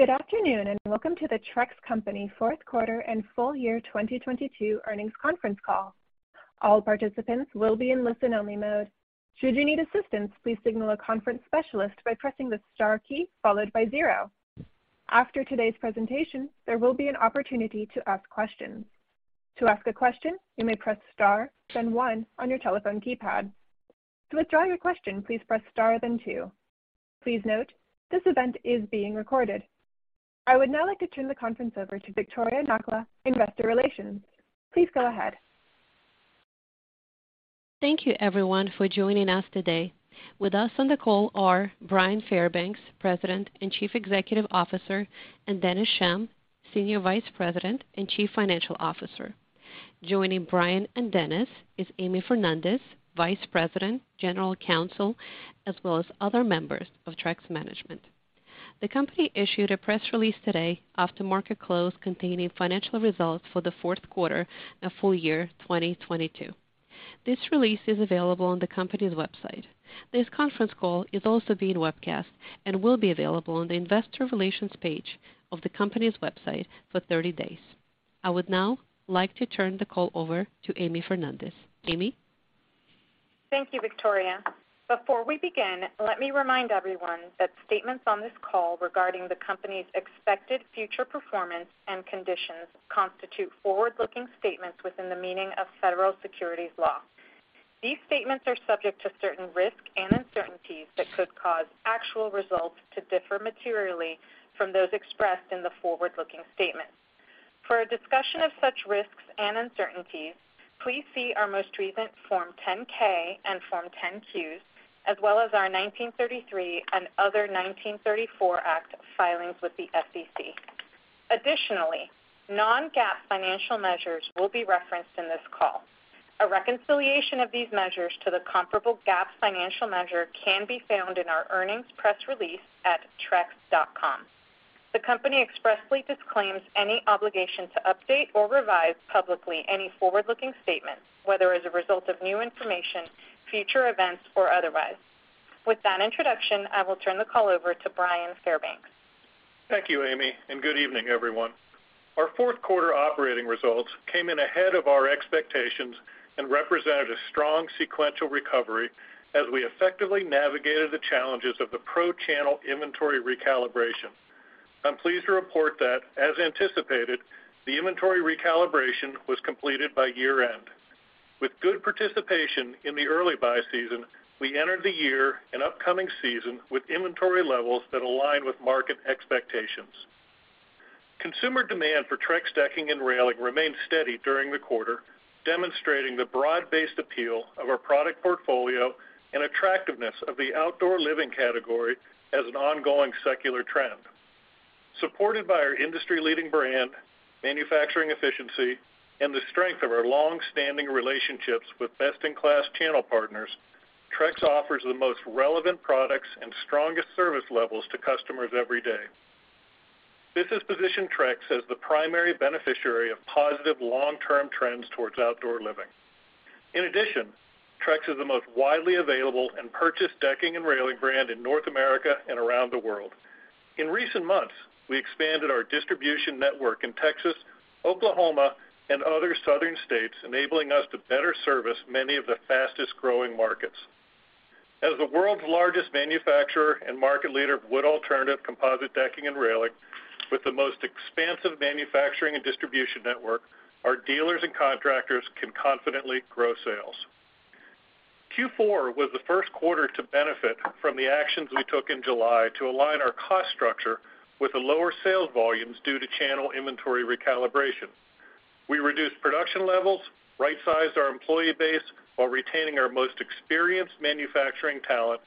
Good afternoon, and welcome to the Trex Company fourth quarter and full year 2022 earnings conference call. All participants will be in listen-only mode. Should you need assistance, please signal a conference specialist by pressing the star key followed by zero. After today's presentation, there will be an opportunity to ask questions. To ask a question, you may press star then one on your telephone keypad. To withdraw your question, please press star then two. Please note, this event is being recorded. I would now like to turn the conference over to Viktoriia Nakhla, Investor Relations. Please go ahead. Thank you everyone for joining us today. With us on the call are Bryan Fairbanks, President and Chief Executive Officer, and Dennis Schemm, Senior Vice President and Chief Financial Officer. Joining Bryan and Dennis is Amy Fernandez, Vice President, General Counsel, as well as other members of Trex management. The company issued a press release today after market close containing financial results for the fourth quarter and full year 2022. This release is available on the company's website. This conference call is also being webcast and will be available on the investor relations page of the company's website for 30 days. I would now like to turn the call over to Amy Fernandez. Amy? Thank you, Viktoriia. Before we begin, let me remind everyone that statements on this call regarding the company's expected future performance and conditions constitute forward-looking statements within the meaning of federal securities law. These statements are subject to certain risks and uncertainties that could cause actual results to differ materially from those expressed in the forward-looking statements. For a discussion of such risks and uncertainties, please see our most recent Form 10-K and Form 10-Qs as well as our 1933 and other 1934 act filings with the SEC. Additionally, non-GAAP financial measures will be referenced in this call. A reconciliation of these measures to the comparable GAAP financial measure can be found in our earnings press release at trex.com. The company expressly disclaims any obligation to update or revise publicly any forward-looking statements, whether as a result of new information, future events, or otherwise. With that introduction, I will turn the call over to Bryan Fairbanks. Thank you, Amy, and good evening, everyone. Our fourth quarter operating results came in ahead of our expectations and represented a strong sequential recovery as we effectively navigated the challenges of the pro channel inventory recalibration. I'm pleased to report that, as anticipated, the inventory recalibration was completed by year-end. With good participation in the early buy season, we entered the year and upcoming season with inventory levels that align with market expectations. Consumer demand for Trex Decking and railing remained steady during the quarter, demonstrating the broad-based appeal of our product portfolio and attractiveness of the outdoor living category as an ongoing secular trend. Supported by our industry-leading brand, manufacturing efficiency, and the strength of our long-standing relationships with best-in-class channel partners, Trex offers the most relevant products and strongest service levels to customers every day. This has positioned Trex as the primary beneficiary of positive long-term trends towards outdoor living. Trex is the most widely available and purchased decking and railing brand in North America and around the world. In recent months, we expanded our distribution network in Texas, Oklahoma, and other southern states, enabling us to better service many of the fastest-growing markets. As the world's largest manufacturer and market leader of wood alternative composite decking and railing with the most expansive manufacturing and distribution network, our dealers and contractors can confidently grow sales. Q4 was the first quarter to benefit from the actions we took in July to align our cost structure with the lower sales volumes due to channel inventory recalibration. We reduced production levels, right-sized our employee base while retaining our most experienced manufacturing talent,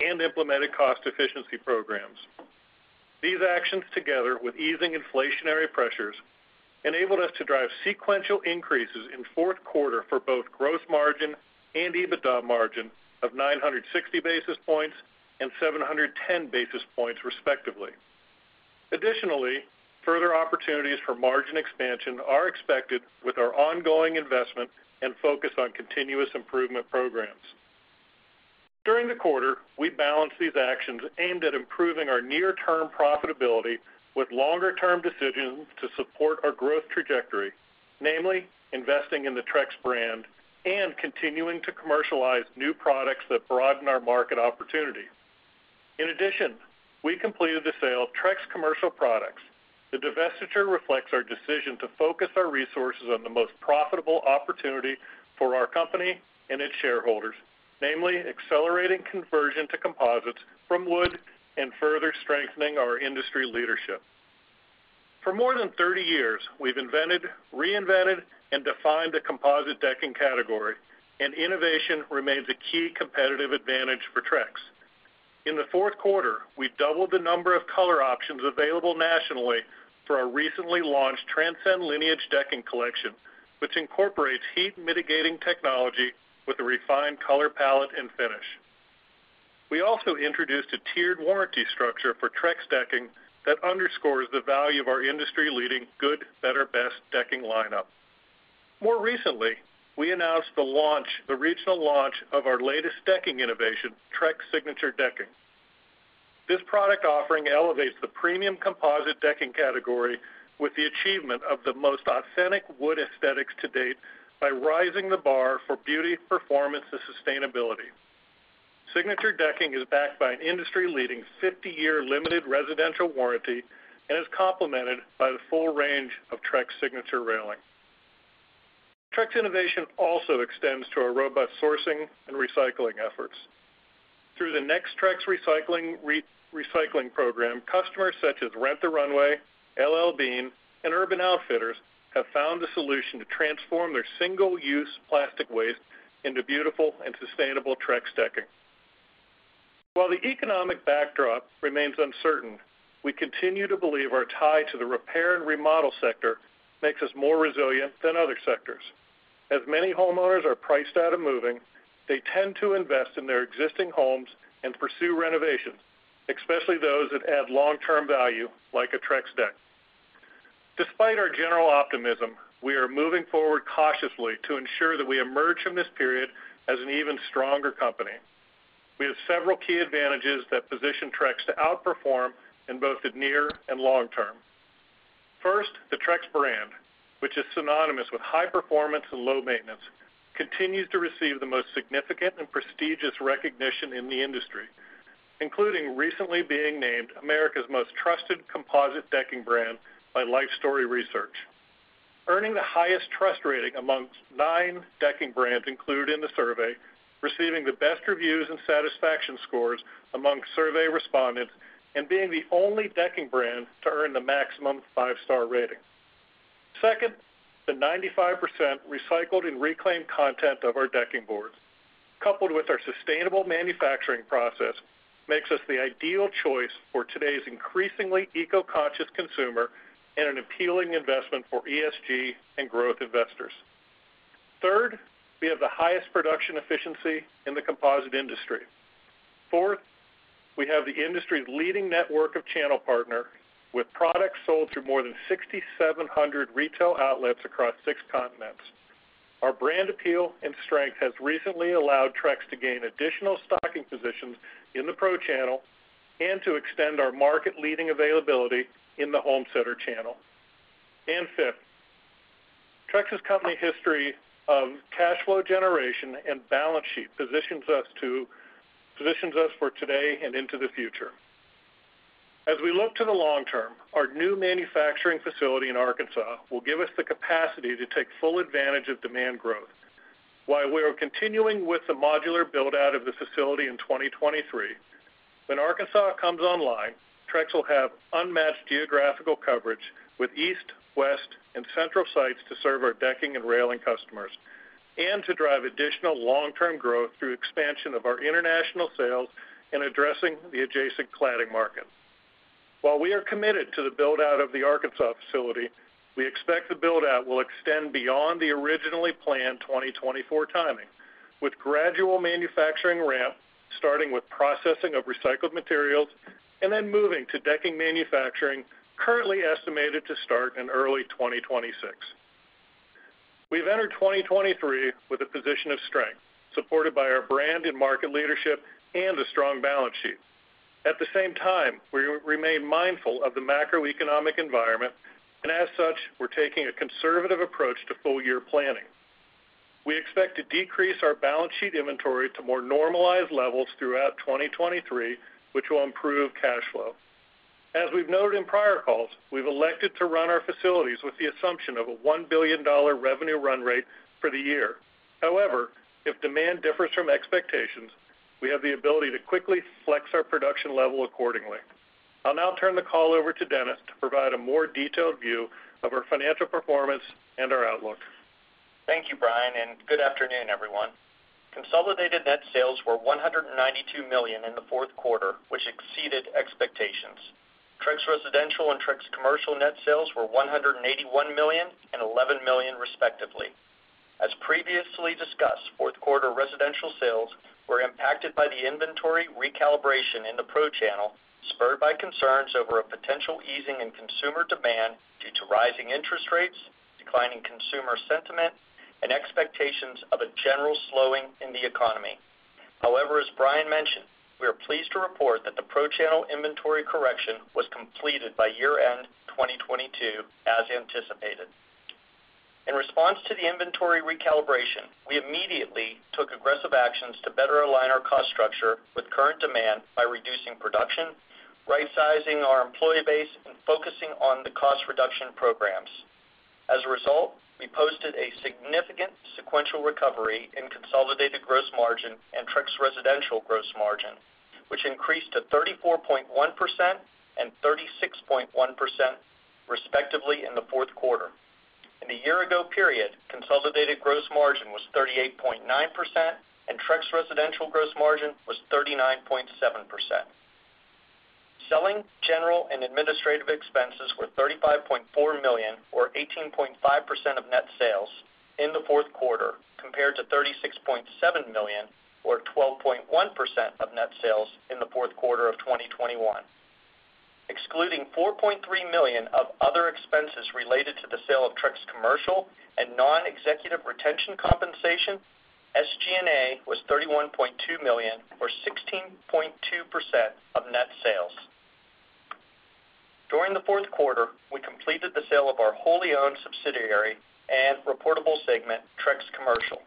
and implemented cost efficiency programs. These actions, together with easing inflationary pressures, enabled us to drive sequential increases in fourth quarter for both gross margin and EBITDA margin of 960 basis points and 710 basis points, respectively. Further opportunities for margin expansion are expected with our ongoing investment and focus on continuous improvement programs. During the quarter, we balanced these actions aimed at improving our near-term profitability with longer-term decisions to support our growth trajectory, namely investing in the Trex brand and continuing to commercialize new products that broaden our market opportunity. We completed the sale of Trex Commercial Products. The divestiture reflects our decision to focus our resources on the most profitable opportunity for our company and its shareholders, namely accelerating conversion to composites from wood and further strengthening our industry leadership. For more than 30 years, we've invented, reinvented, and defined the composite decking category, and innovation remains a key competitive advantage for Trex. In the fourth quarter, we doubled the number of color options available nationally for our recently launched Trex Transcend Lineage Decking Collection, which incorporates heat mitigating technology with a refined color palette and finish. We also introduced a tiered warranty structure for Trex Decking that underscores the value of our industry-leading good, better, best decking lineup. More recently, we announced the regional launch of our latest decking innovation, Trex Signature Decking. This product offering elevates the premium composite decking category with the achievement of the most authentic wood aesthetics to date by rising the bar for beauty, performance, and sustainability. Trex Signature Decking is backed by an industry-leading 50-year limited residential warranty and is complemented by the full range of Trex Signature Railing. Trex innovation also extends to our robust sourcing and recycling efforts. Through the NexTrex recycling, re-recycling program, customers such as Rent the Runway, L.L.Bean, and Urban Outfitters have found a solution to transform their single-use plastic waste into beautiful and sustainable Trex decking. While the economic backdrop remains uncertain, we continue to believe our tie to the repair and remodel sector makes us more resilient than other sectors. As many homeowners are priced out of moving, they tend to invest in their existing homes and pursue renovations, especially those that add long-term value like a Trex deck. Despite our general optimism, we are moving forward cautiously to ensure that we emerge from this period as an even stronger company. We have several key advantages that position Trex to outperform in both the near and long term. First, the Trex brand, which is synonymous with high performance and low maintenance, continues to receive the most significant and prestigious recognition in the industry, including recently being named America's most trusted composite decking brand by Lifestory Research. Earning the highest trust rating amongst nine decking brands included in the survey, receiving the best reviews and satisfaction scores among survey respondents, and being the only decking brand to earn the maximum five-star rating. Second, the 95% recycled and reclaimed content of our decking boards, coupled with our sustainable manufacturing process, makes us the ideal choice for today's increasingly eco-conscious consumer and an appealing investment for ESG and growth investors. Third, we have the highest production efficiency in the composite industry. Fourth, we have the industry's leading network of channel partner with products sold through more than 6,700 retail outlets across six continents. Our brand appeal and strength has recently allowed Trex to gain additional stocking positions in the pro channel and to extend our market-leading availability in the home center channel. Fifth, Trex's company history of cash flow generation and balance sheet positions us for today and into the future. As we look to the long term, our new manufacturing facility in Arkansas will give us the capacity to take full advantage of demand growth. While we are continuing with the modular build-out of this facility in 2023, when Arkansas comes online, Trex will have unmatched geographical coverage with East, West, and central sites to serve our decking and railing customers and to drive additional long-term growth through expansion of our international sales in addressing the adjacent cladding market. While we are committed to the build-out of the Arkansas facility, we expect the build-out will extend beyond the originally planned 2024 timing, with gradual manufacturing ramp starting with processing of recycled materials and then moving to decking manufacturing currently estimated to start in early 2026. We've entered 2023 with a position of strength, supported by our brand and market leadership and a strong balance sheet. At the same time, we remain mindful of the macroeconomic environment, and as such, we're taking a conservative approach to full year planning. We expect to decrease our balance sheet inventory to more normalized levels throughout 2023, which will improve cash flow. As we've noted in prior calls, we've elected to run our facilities with the assumption of a $1 billion revenue run rate for the year. If demand differs from expectations, we have the ability to quickly flex our production level accordingly. I'll now turn the call over to Dennis to provide a more detailed view of our financial performance and our outlook. Thank you, Bryan, and good afternoon, everyone. Consolidated net sales were $192 million in the fourth quarter, which exceeded expectations. Trex Residential and Trex Commercial net sales were $181 million and $11 million, respectively. As previously discussed, fourth quarter residential sales were impacted by the inventory recalibration in the pro channel, spurred by concerns over a potential easing in consumer demand due to rising interest rates, declining consumer sentiment, and expectations of a general slowing in the economy. However, as Bryan mentioned, we are pleased to report that the pro channel inventory correction was completed by year-end 2022, as anticipated. In response to the inventory recalibration, we immediately took aggressive actions to better align our cost structure with current demand by reducing production, rightsizing our employee base, and focusing on the cost reduction programs. As a result, we posted a significant sequential recovery in consolidated gross margin and Trex Residential gross margin, which increased to 34.1% and 36.1%, respectively, in the fourth quarter. In the year ago period, consolidated gross margin was 38.9%, and Trex Residential gross margin was 39.7%. Selling, general, and administrative expenses were $35.4 million or 18.5% of net sales in the fourth quarter, compared to $36.7 million or 12.1% of net sales in the fourth quarter of 2021. Excluding $4.3 million of other expenses related to the sale of Trex Commercial and non-executive retention compensation, SG&A was $31.2 million or 16.2% of net sales. During the fourth quarter, we completed the sale of our wholly-owned subsidiary and reportable segment, Trex Commercial.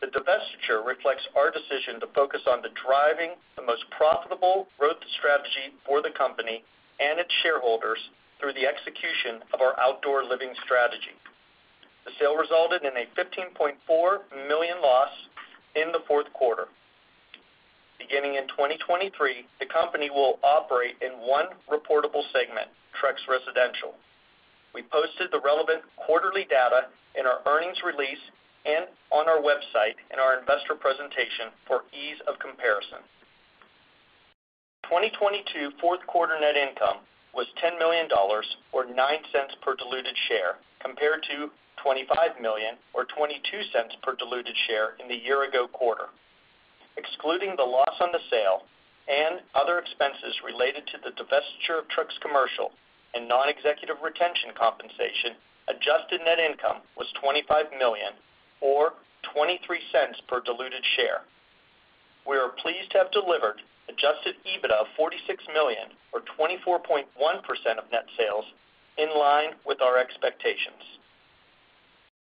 The divestiture reflects our decision to focus on the driving the most profitable growth strategy for the company and its shareholders through the execution of our outdoor living strategy. The sale resulted in a $15.4 million loss in the fourth quarter. Beginning in 2023, the company will operate in one reportable segment, Trex Residential. We posted the relevant quarterly data in our earnings release and on our website in our investor presentation for ease of comparison. 2022 4th quarter net income was $10 million or $0.09 per diluted share, compared to $25 million or $0.22 per diluted share in the year-ago quarter. Excluding the loss on the sale and other expenses related to the divestiture of Trex Commercial and non-executive retention compensation, Adjusted Net Income was $25 million or $0.23 per diluted share. We are pleased to have delivered Adjusted EBITDA of $46 million or 24.1% of net sales in line with our expectations.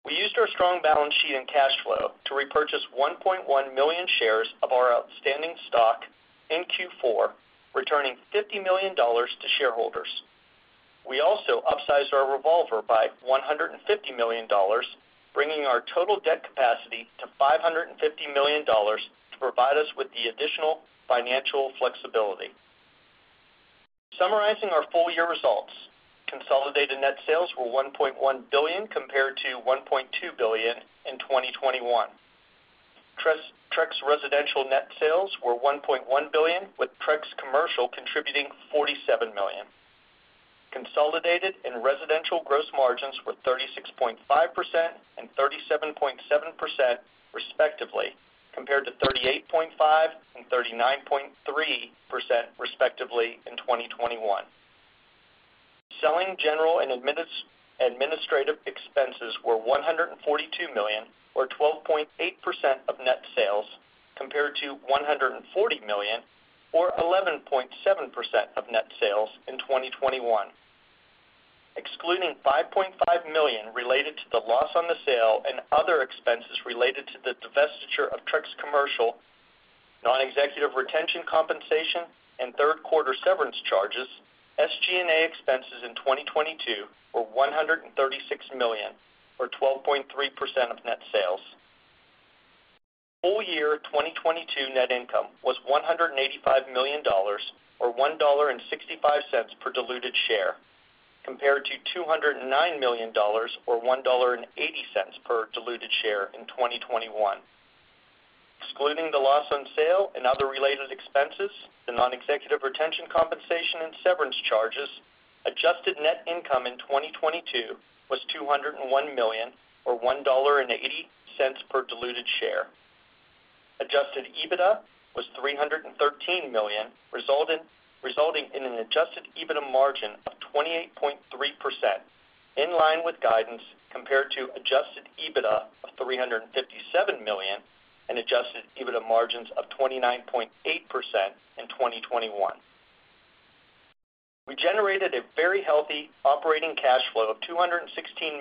We used our strong balance sheet and cash flow to repurchase 1.1 million shares of our outstanding stock in Q4, returning $50 million to shareholders. We also upsized our revolver by $150 million, bringing our total debt capacity to $550 million to provide us with the additional financial flexibility. Summarizing our full-year results, consolidated net sales were $1.1 billion compared to $1.2 billion in 2021. Trex Residential net sales were $1.1 billion, with Trex Commercial contributing $47 million. Consolidated and residential gross margins were 36.5% and 37.7% respectively, compared to 38.5% and 39.3% respectively in 2021. Selling, general and administrative expenses were $142 million or 12.8% of net sales, compared to $140 million or 11.7% of net sales in 2021. Excluding $5.5 million related to the loss on the sale and other expenses related to the divestiture of Trex Commercial, non-executive retention compensation and third quarter severance charges, SG&A expenses in 2022 were $136 million or 12.3% of net sales. Full year 2022 net income was $185 million or $1.65 per diluted share, compared to $209 million or $1.80 per diluted share in 2021. Excluding the loss on sale and other related expenses, the non-executive retention compensation and severance charges, Adjusted Net Income in 2022 was $201 million or $1.80 per diluted share. Adjusted EBITDA was $313 million, resulting in an Adjusted EBITDA margin of 28.3%, in line with guidance compared to Adjusted EBITDA of $357 million and Adjusted EBITDA margins of 29.8% in 2021. We generated a very healthy operating cash flow of $216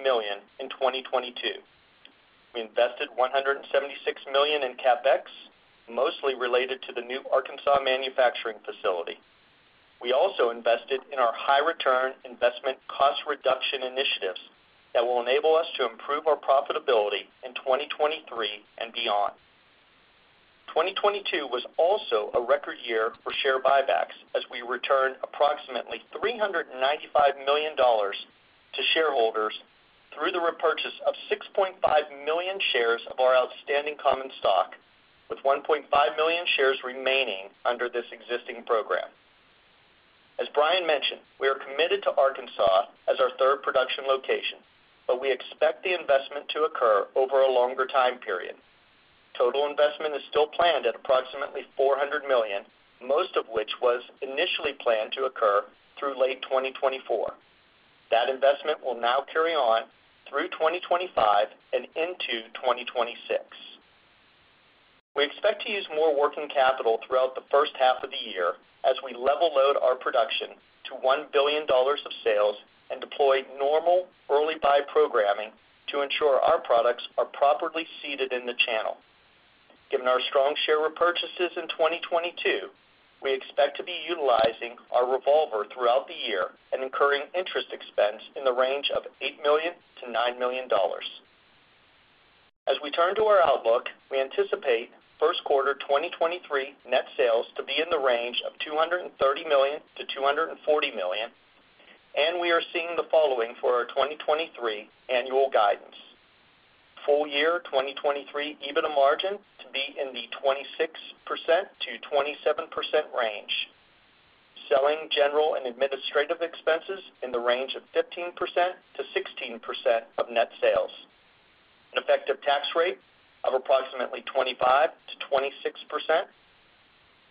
million in 2022. We invested $176 million in CapEx, mostly related to the new Arkansas manufacturing facility. We also invested in our high return investment cost reduction initiatives that will enable us to improve our profitability in 2023 and beyond. 2022 was also a record year for share buybacks as we returned approximately $395 million to shareholders through the repurchase of 6.5 million shares of our outstanding common stock, with 1.5 million shares remaining under this existing program. As Bryan mentioned, we are committed to Arkansas as our third production location, but we expect the investment to occur over a longer time period. Total investment is still planned at approximately $400 million, most of which was initially planned to occur through late 2024. That investment will now carry on through 2025 and into 2026. We expect to use more working capital throughout the first half of the year as we level load our production to $1 billion of sales and deploy normal early buy programming to ensure our products are properly seated in the channel. Given our strong share repurchases in 2022, we expect to be utilizing our revolver throughout the year and incurring interest expense in the range of $8 million-$9 million. As we turn to our outlook, we anticipate first quarter 2023 net sales to be in the range of $230 million-$240 million. We are seeing the following for our 2023 annual guidance. Full year 2023 EBITDA margin to be in the 26%-27% range. Selling, General and Administrative Expenses in the range of 15%-16% of net sales. An effective tax rate of approximately 25%-26%.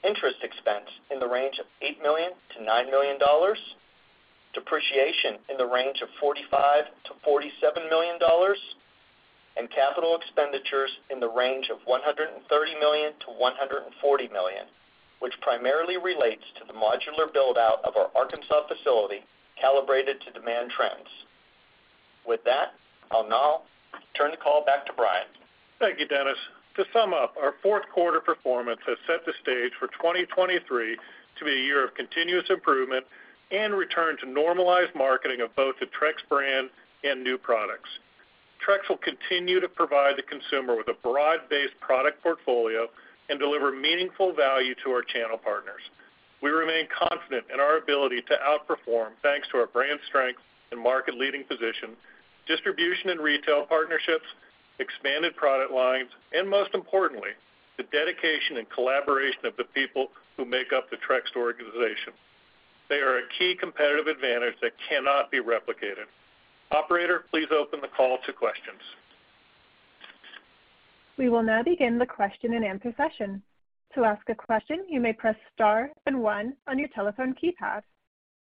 Interest expense in the range of $8 million-$9 million. Depreciation in the range of $45 million-$47 million. Capital expenditures in the range of $130 million-$140 million, which primarily relates to the modular build-out of our Arkansas facility calibrated to demand trends. With that, I'll now turn the call back to Bryan. Thank you, Dennis. To sum up, our fourth quarter performance has set the stage for 2023 to be a year of continuous improvement and return to normalized marketing of both the Trex brand and new products. Trex will continue to provide the consumer with a broad-based product portfolio and deliver meaningful value to our channel partners. We remain confident in our ability to outperform, thanks to our brand strength and market-leading position, distribution and retail partnerships, expanded product lines, and most importantly, the dedication and collaboration of the people who make up the Trex organization. They are a key competitive advantage that cannot be replicated. Operator, please open the call to questions. We will now begin the question-and-answer session. To ask a question, you may press star and one on your telephone keypad.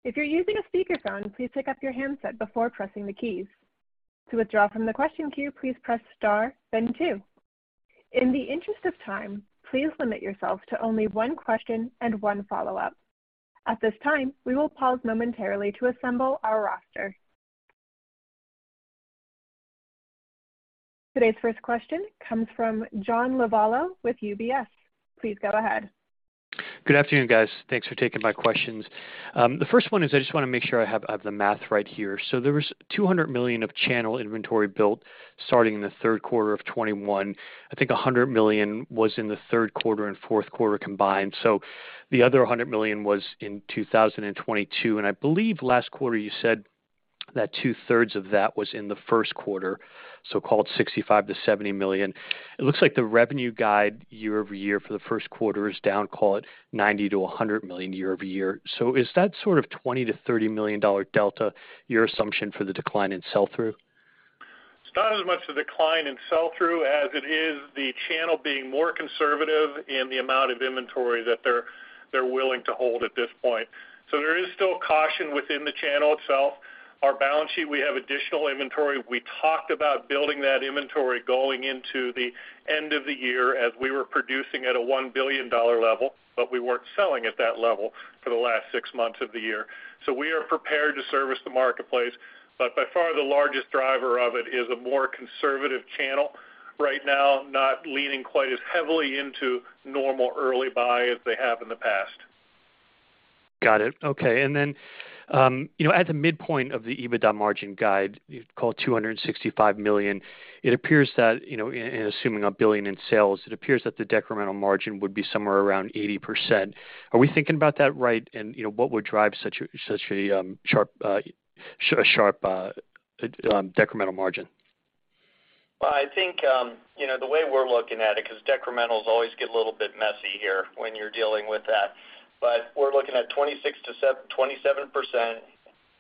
If you're using a speakerphone, please pick up your handset before pressing the keys. To withdraw from the question queue, please press star, then two. In the interest of time, please limit yourself to only one question and one follow-up. At this time, we will pause momentarily to assemble our roster. Today's first question comes from John Lovallo with UBS. Please go ahead. Good afternoon, guys. Thanks for taking my questions. The first one is I just wanna make sure I have the math right here. There was $200 million of channel inventory built starting in the third quarter of 2021. I think $100 million was in the third quarter and fourth quarter combined. The other $100 million was in 2022, and I believe last quarter you said that two-thirds of that was in the first quarter, so call it $65 million-$70 million. It looks like the revenue guide year-over-year for the first quarter is down, call it $90 million-$100 million year-over-year. Is that sort of $20 million-$30 million delta your assumption for the decline in sell-through? It's not as much the decline in sell-through as it is the channel being more conservative in the amount of inventory that they're willing to hold at this point. There is still caution within the channel itself. Our balance sheet, we have additional inventory. We talked about building that inventory going into the end of the year as we were producing at a $1 billion level, but we weren't selling at that level for the last six months of the year. We are prepared to service the marketplace. By far, the largest driver of it is a more conservative channel right now, not leaning quite as heavily into normal early buy as they have in the past. Got it. Okay. You know, at the midpoint of the EBITDA margin guide, call it $265 million, it appears that, you know, and assuming $1 billion in sales, it appears that the decremental margin would be somewhere around 80%. Are we thinking about that right? You know, what would drive such a, such a, sharp, decremental margin? Well, I think, you know, the way we're looking at it, 'cause decremental always get a little bit messy here when you're dealing with that. We're looking at 26%-27%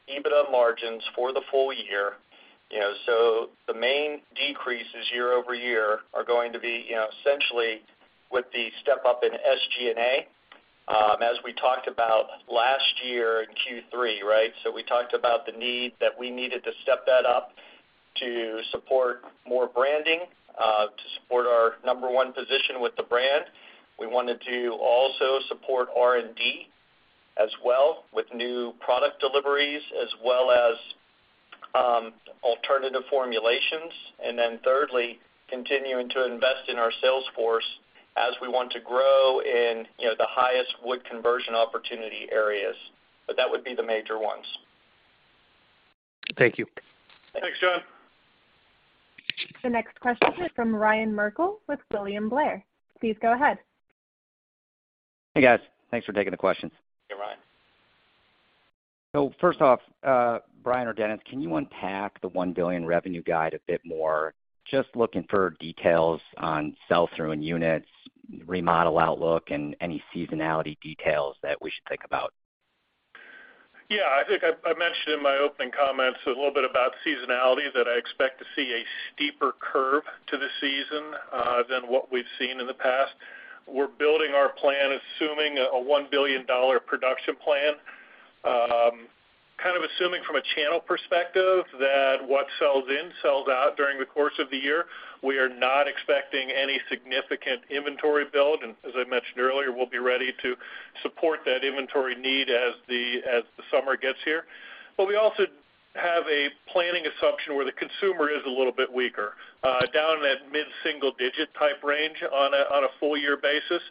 EBITDA margins for the full year. You know, the main decreases year-over-year are going to be, you know, essentially with the step-up in SG&A, as we talked about last year in Q3, right? We talked about the need that we needed to step that up to support more branding, to support our number one position with the brand. We wanted to also support R&D as well with new product deliveries as well as alternative formulations. Thirdly, continuing to invest in our sales force as we want to grow in, you know, the highest wood conversion opportunity areas. That would be the major ones. Thank you. Thanks, John. The next question is from Ryan Merkel with William Blair. Please go ahead. Hey, guys. Thanks for taking the questions. Hey, Ryan. First off, Bryan or Dennis, can you unpack the $1 billion revenue guide a bit more? Just looking for details on sell-through and units, remodel outlook, and any seasonality details that we should think about. Yeah, I mentioned in my opening comments a little bit about seasonality that I expect to see a steeper curve to the season than what we've seen in the past. We're building our plan assuming a $1 billion production plan. Kind of assuming from a channel perspective that what sells in sells out during the course of the year. We are not expecting any significant inventory build. As I mentioned earlier, we'll be ready to support that inventory need as the summer gets here. We also have a planning assumption where the consumer is a little bit weaker, down in that mid-single digit type range on a full year basis.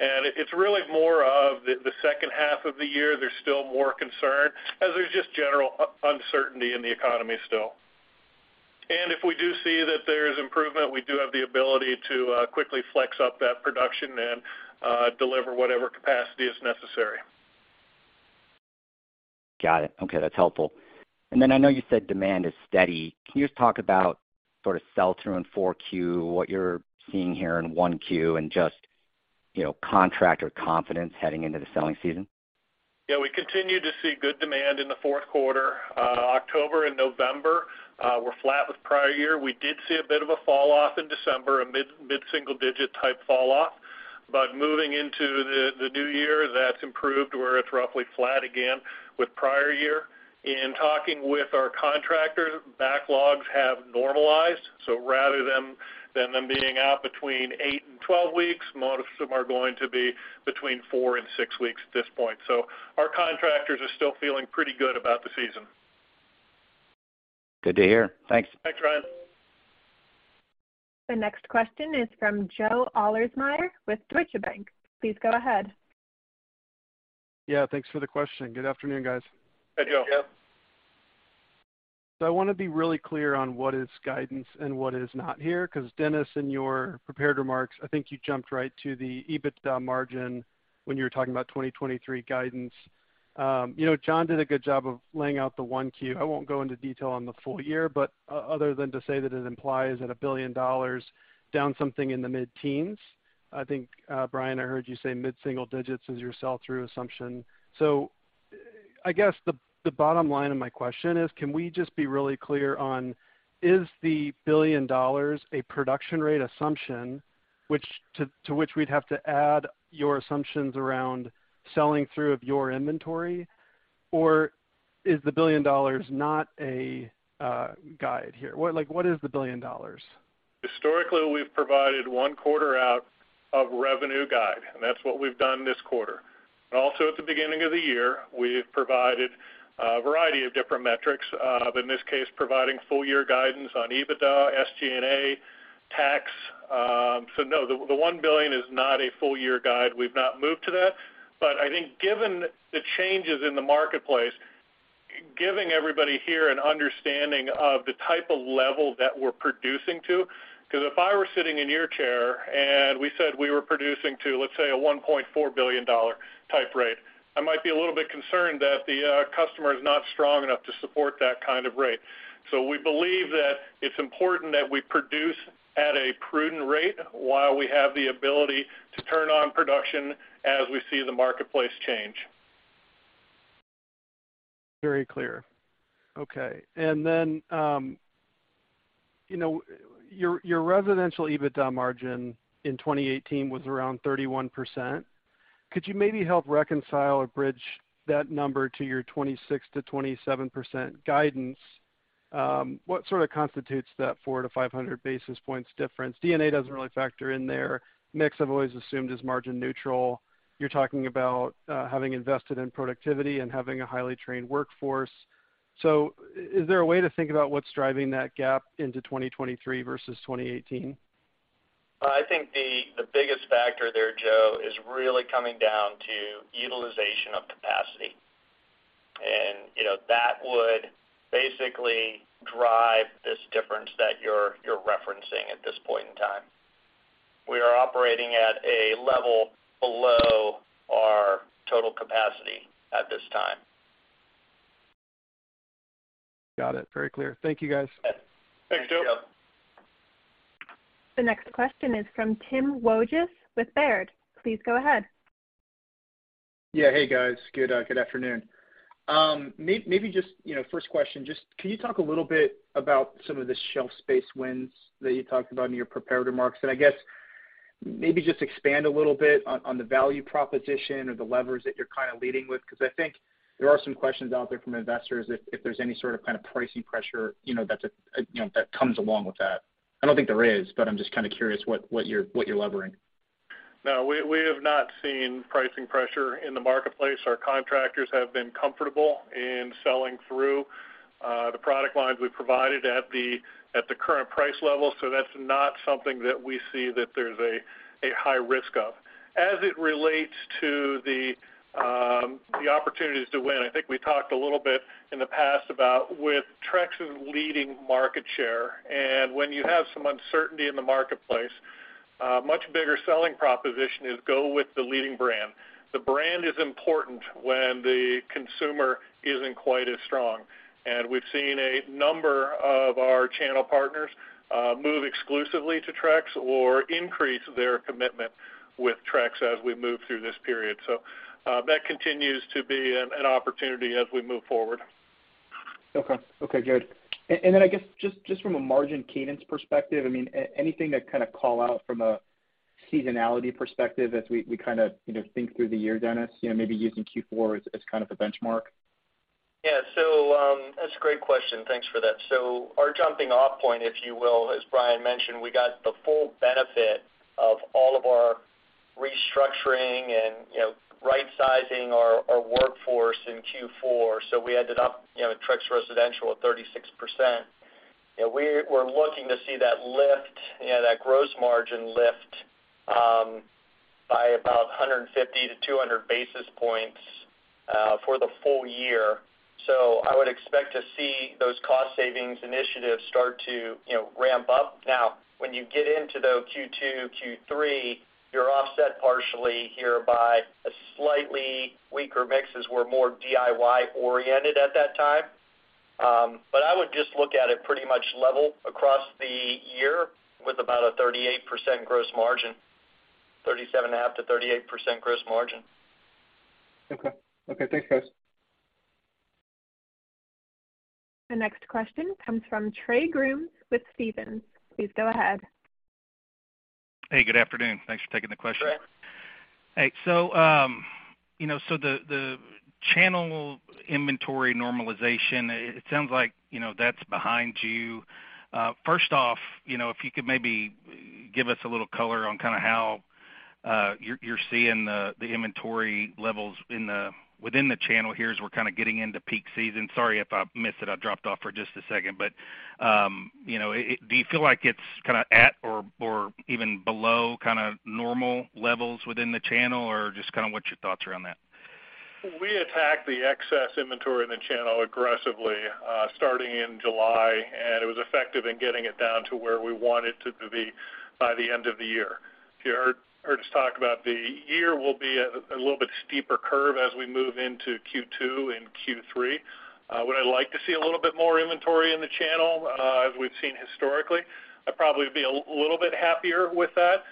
It's really more of the second half of the year, there's still more concern as there's just general uncertainty in the economy still. If we do see that there's improvement, we do have the ability to, quickly flex up that production and, deliver whatever capacity is necessary. Got it. Okay, that's helpful. I know you said demand is steady. Can you just talk about sort of sell-through in 4Q, what you're seeing here in 1Q, and just, you know, contractor confidence heading into the selling season? Yeah, we continue to see good demand in the fourth quarter. October and November were flat with prior year. We did see a bit of a falloff in December, a mid-single digit type falloff. Moving into the new year, that's improved where it's roughly flat again with prior year. In talking with our contractors, backlogs have normalized, rather than them being out between eight and 12 weeks, most of them are going to be between four and six weeks at this point. Our contractors are still feeling pretty good about the season. Good to hear. Thanks. Thanks, Ryan. The next question is from Joe Ahlersmeyer with Deutsche Bank. Please go ahead. Yeah, thanks for the question. Good afternoon, guys. Hey, Joe. Hey. I wanna be really clear on what is guidance and what is not here because, Dennis, in your prepared remarks, I think you jumped right to the EBITDA margin when you were talking about 2023 guidance. You know, John did a good job of laying out the 1Q. I won't go into detail on the full year, but other than to say that it implies at a $1 billion down something in the mid-teens. I think, Bryan, I heard you say mid-single digits as your sell-through assumption. I guess the bottom line of my question is can we just be really clear on, is the $1 billion a production rate assumption, to which we'd have to add your assumptions around selling through of your inventory? Or is the $1 billion not a guide here? Like, what is the billion dollars? Historically, we've provided 1 quarter out of revenue guide, and that's what we've done this quarter. At the beginning of the year, we have provided a variety of different metrics, but in this case, providing full year guidance on EBITDA, SG&A, tax. No, the $1 billion is not a full year guide. We've not moved to that. I think given the changes in the marketplace, giving everybody here an understanding of the type of level that we're producing to because if I were sitting in your chair and we said we were producing to, let's say, a $1.4 billion type rate, I might be a little bit concerned that the customer is not strong enough to support that kind of rate. We believe that it's important that we produce at a prudent rate while we have the ability to turn on production as we see the marketplace change. Very clear. Okay. You know, your residential EBITDA margin in 2018 was around 31%. Could you maybe help reconcile or bridge that number to your 26%-27% guidance? What sort of constitutes that 400-500 basis points difference? DNA doesn't really factor in there. Mix I've always assumed is margin neutral. You're talking about having invested in productivity and having a highly trained workforce. Is there a way to think about what's driving that gap into 2023 versus 2018? I think the biggest factor there, Joe, is really coming down to utilization of capacity. you know, that would basically drive this difference that you're referencing at this point in time. We are operating at a level below our total capacity at this time. Got it. Very clear. Thank you, guys. Thanks, Joe. Yep. The next question is from Tim Wojs with Baird. Please go ahead. Yeah. Hey, guys. Good, good afternoon. Maybe just, you know, first question, just can you talk a little bit about some of the shelf space wins that you talked about in your prepared remarks? I guess maybe just expand a little bit on the value proposition or the levers that you're kind of leading with because I think there are some questions out there from investors if there's any sort of kind of pricing pressure, you know, that comes along with that. I don't think there is, but I'm just kind of curious what you're, what you're levering? No. We have not seen pricing pressure in the marketplace. Our contractors have been comfortable in selling through the product lines we've provided at the current price level. That's not something that we see that there's a high risk of. As it relates to the opportunities to win, I think we talked a little bit in the past about with Trex's leading market share, and when you have some uncertainty in the marketplace, much bigger selling proposition is go with the leading brand. The brand is important when the consumer isn't quite as strong. We've seen a number of our channel partners move exclusively to Trex or increase their commitment with Trex as we move through this period. That continues to be an opportunity as we move forward. Okay. Okay, good. Then I guess just from a margin cadence perspective, I mean, anything to kind of call out from a seasonality perspective as we kind of, you know, think through the year, Dennis? You know, maybe using Q4 as kind of a benchmark. Yeah. That's a great question. Thanks for that. Our jumping off point, if you will, as Bryan mentioned, we got the full benefit of all of our restructuring and, you know, rightsizing our workforce in Q4. We ended up, you know, at Trex Residential at 36%. You know, we're looking to see that lift, you know, that gross margin lift by about 150-200 basis points for the full year. I would expect to see those cost savings initiatives start to, you know, ramp up. Now, when you get into, though, Q2, Q3, you're offset partially here by a slightly weaker mix as we're more DIY-oriented at that time. I would just look at it pretty much level across the year with about a 38% gross margin, 37.5%-38% gross margin. Okay. Okay, thanks guys. The next question comes from Trey Grooms with Stephens. Please go ahead. Hey, good afternoon. Thanks for taking the question. Sure. Hey, you know, the channel inventory normalization, it sounds like, you know, that's behind you. First off, you know, if you could maybe give us a little color on kind of how you're seeing the inventory levels within the channel here as we're kind of getting into peak season? Sorry if I missed it, I dropped off for just a second. You know, do you feel like it's kind of at or even below kind of normal levels within the channel or just kind of what your thoughts are on that? We attacked the excess inventory in the channel aggressively, starting in July, and it was effective in getting it down to where we want it to be by the end of the year. You heard us talk about the year will be a little bit steeper curve as we move into Q2 and Q3. Would I like to see a little bit more inventory in the channel, as we've seen historically? I'd probably be a little bit happier with that.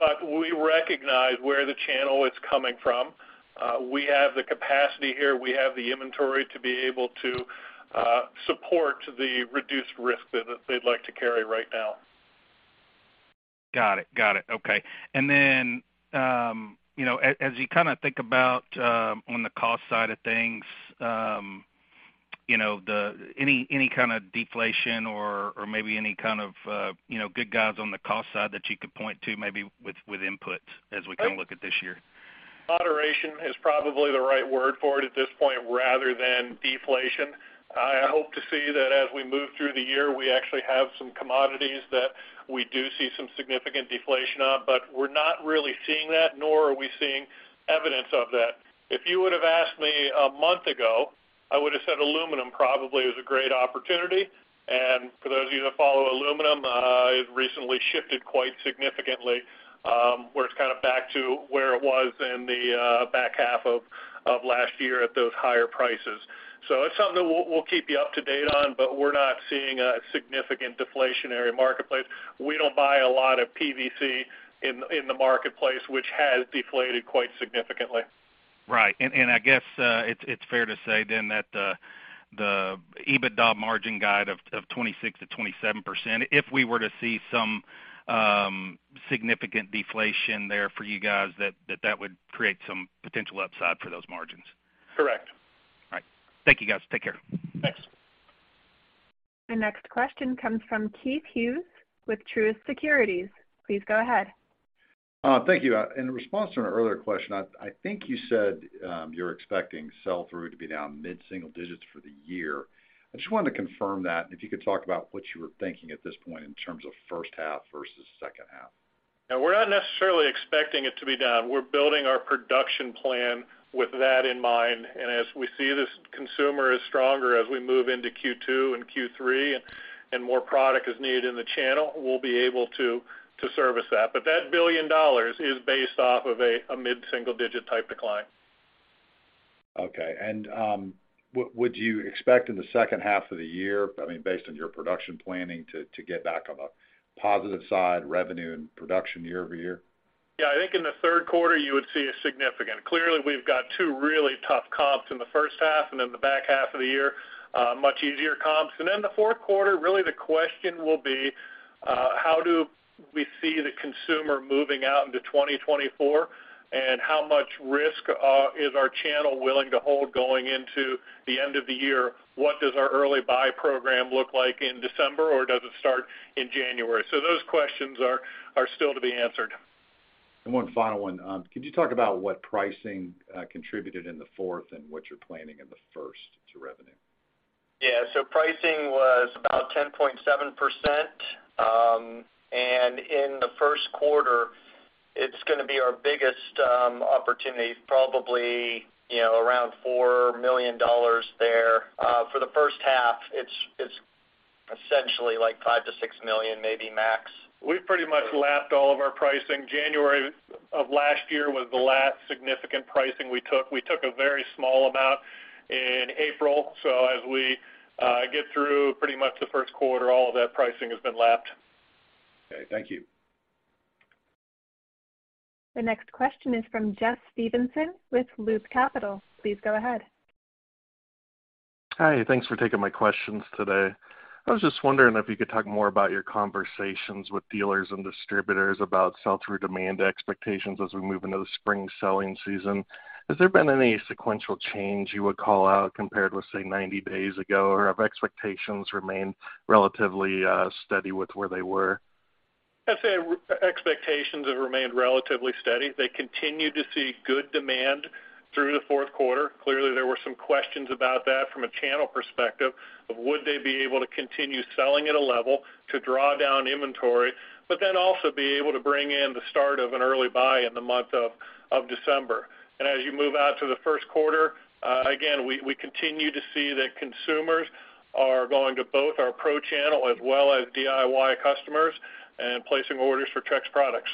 But we recognize where the channel is coming from. We have the capacity here. We have the inventory to be able to support the reduced risk that they'd like to carry right now. Got it. Okay. As you kind of think about on the cost side of things, you know, any kind of deflation or maybe any kind of, you know, good guides on the cost side that you could point to maybe with input as we kind of look at this year? Moderation is probably the right word for it at this point rather than deflation. I hope to see that as we move through the year, we actually have some commodities that we do see some significant deflation on, but we're not really seeing that, nor are we seeing evidence of that. If you would have asked me a month ago, I would have said aluminum probably is a great opportunity. For those of you that follow aluminum, it recently shifted quite significantly, where it's kind of back to where it was in the back half of last year at those higher prices. It's something that we'll keep you up to date on, but we're not seeing a significant deflationary marketplace. We don't buy a lot of PVC in the marketplace, which has deflated quite significantly. Right. And I guess, it's fair to say then that the EBITDA margin guide of 26%-27%, if we were to see some significant deflation there for you guys, that would create some potential upside for those margins. Correct. All right. Thank you, guys. Take care. Thanks. The next question comes from Keith Hughes with Truist Securities. Please go ahead. Thank you. In response to an earlier question, I think you said, you're expecting sell-through to be down mid-single digits for the year. I just wanted to confirm that. If you could talk about what you were thinking at this point in terms of first half versus second half. Yeah, we're not necessarily expecting it to be down. We're building our production plan with that in mind. As we see this consumer is stronger as we move into Q2 and Q3 and more product is needed in the channel, we'll be able to service that. That $1 billion is based off of a mid-single digit type decline. Okay. Would you expect in the second half of the year, I mean, based on your production planning, to get back on a positive side revenue and production year-over-year? Yeah. I think in the third quarter, you would see a significant. Clearly, we've got two really tough comps in the first half, and in the back half of the year, much easier comps. In the fourth quarter, really the question will be, how do we see the consumer moving out into 2024, and how much risk is our channel willing to hold going into the end of the year? What does our early buy program look like in December, or does it start in January? Those questions are still to be answered. One final one. Could you talk about what pricing contributed in the fourth and what you're planning in the first to revenue? Yeah. Pricing was about 10.7%. In the first quarter, it's gonna be our biggest opportunity, probably, you know, around $4 million there. For the first half, it's essentially like $5 million-$6 million, maybe max. We've pretty much lapped all of our pricing. January of last year was the last significant pricing we took. We took a very small amount in April. As we get through pretty much the first quarter, all of that pricing has been lapped. Okay. Thank you. The next question is from Jeff Stevenson with Loop Capital. Please go ahead. Hi. Thanks for taking my questions today. I was just wondering if you could talk more about your conversations with dealers and distributors about sell-through demand expectations as we move into the spring selling season. Has there been any sequential change you would call out compared with, say, 90 days ago? Have expectations remained relatively steady with where they were? I'd say expectations have remained relatively steady. They continue to see good demand through the fourth quarter. Clearly, there were some questions about that from a channel perspective of would they be able to continue selling at a level to draw down inventory, but then also be able to bring in the start of an early buy in the month of December. As you move out to the first quarter, again, we continue to see that consumers are going to both our pro channel as well as DIY customers and placing orders for Trex products.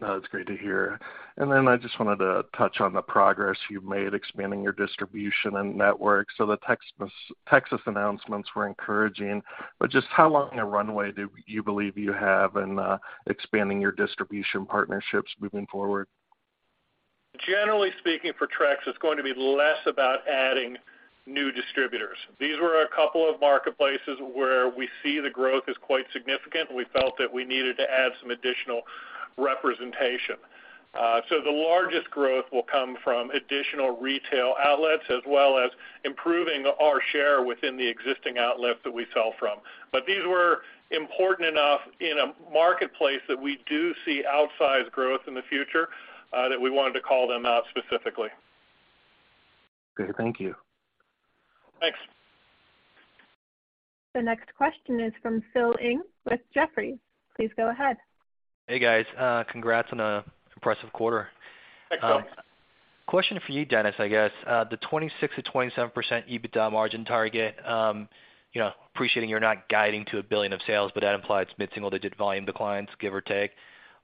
That's great to hear. I just wanted to touch on the progress you've made expanding your distribution and network. The Texas announcements were encouraging, but just how long a runway do you believe you have in expanding your distribution partnerships moving forward? Generally speaking, for Trex, it's going to be less about adding new distributors. These were a couple of marketplaces where we see the growth is quite significant. We felt that we needed to add some additional representation. The largest growth will come from additional retail outlets as well as improving our share within the existing outlets that we sell from. These were important enough in a marketplace that we do see outsized growth in the future, that we wanted to call them out specifically. Okay, thank you. Thanks. The next question is from Phil Ng with Jefferies. Please go ahead. Hey, guys. Congrats on an impressive quarter. Thanks, Phil. Question for you, Dennis, I guess. The 26%-27% EBITDA margin target, you know, appreciating you're not guiding to $1 billion of sales, but that implies mid-single-digit volume declines, give or take.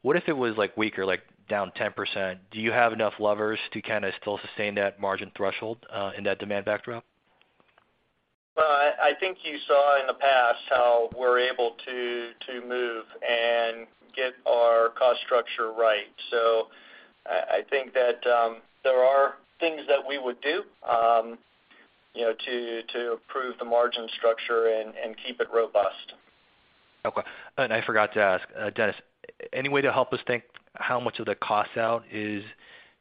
What if it was, like, weaker, like, down 10%? Do you have enough levers to kinda still sustain that margin threshold in that demand backdrop? I think you saw in the past how we're able to move and get our cost structure right. I think that, you know, there are things that we would do to improve the margin structure and keep it robust. Okay. I forgot to ask, Dennis, any way to help us think how much of the cost out is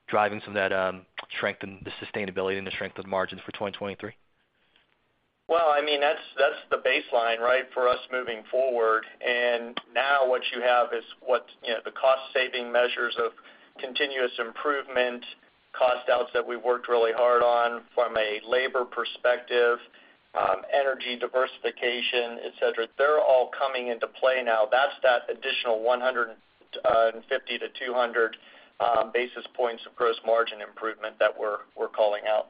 driving some of that, strength and the sustainability and the strength of margins for 2023? Well, I mean, that's the baseline, right, for us moving forward. Now what you have is what, you know, the cost saving measures of continuous improvement, cost outs that we worked really hard on from a labor perspective, energy diversification, et cetera. They're all coming into play now. That's 150 to 200 basis points of gross margin improvement that we're calling out.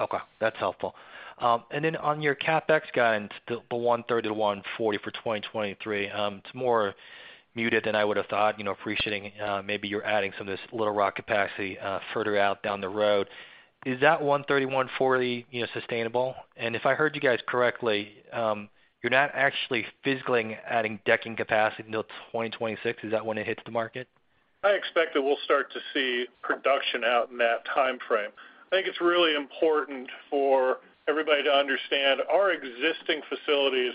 Okay, that's helpful. Then on your CapEx guidance, the $130 million-$140 million for 2023, it's more muted than I would have thought. You know, appreciating, maybe you're adding some of this Little Rock capacity, further out down the road. Is that $130 million-$140 million, you know, sustainable? If I heard you guys correctly, you're not actually physically adding decking capacity until 2026. Is that when it hits the market? I expect that we'll start to see production out in that timeframe. I think it's really important for everybody to understand our existing facilities,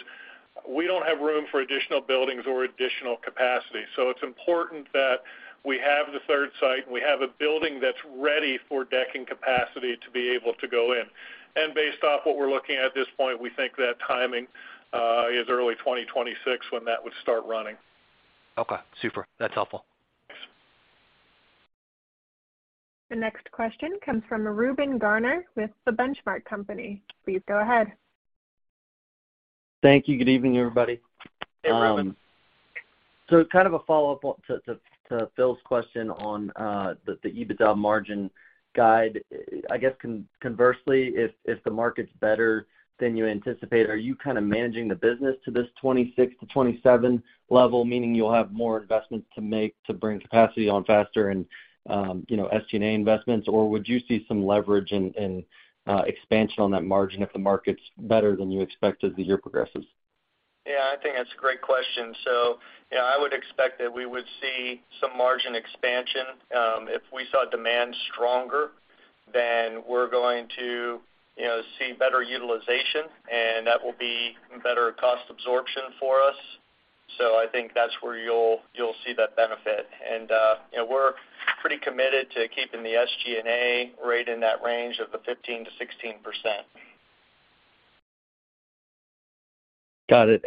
we don't have room for additional buildings or additional capacity. It's important that we have the third site, and we have a building that's ready for decking capacity to be able to go in. Based off what we're looking at this point, we think that timing is early 2026 when that would start running. Okay, super. That's helpful. Thanks. The next question comes from Reuben Garner with The Benchmark Company. Please go ahead. Thank you. Good evening, everybody. Hey, Reuben. Kind of a follow-up to Phil's question on the EBITDA margin guide. I guess conversely, if the market's better than you anticipate, are you kind of managing the business to this 26%-27% level, meaning you'll have more investments to make to bring capacity on faster and, you know, SG&A investments? Or would you see some leverage in expansion on that margin if the market's better than you expect as the year progresses? Yeah, I think that's a great question. Yeah, I would expect that we would see some margin expansion. If we saw demand stronger, then we're going to, you know, see better utilization, and that will be better cost absorption for us. I think that's where you'll see that benefit. You know, we're pretty committed to keeping the SG&A rate in that range of the 15%-16%. Got it.